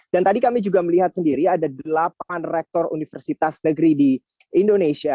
dan tadi kami juga melihat sendiri ada delapan rektor universitas negeri di indonesia